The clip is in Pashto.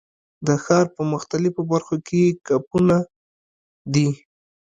د ښار په مختلفو برخو کې یې کمپونه دي.